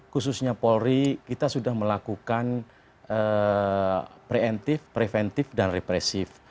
khususnya polri kita sudah melakukan preventif preventif dan represif